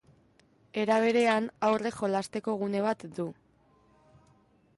Era berean, haurrek jolasteko gune bat du.